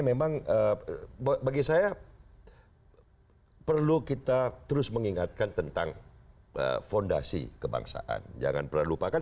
memang bagi saya perlu kita terus mengingatkan tentang fondasi kebangsaan jangan pernah lupakan